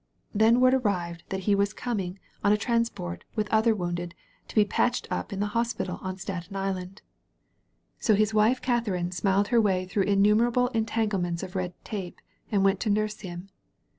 Then word arrived that he was coming on a trans 231 THE VALLEY OF VISION port» with other wounded, to be patched up in a hospital on Staten Island. So his wife Katharine smiled her way through innumerable entanglements of red tape and went to nurse him.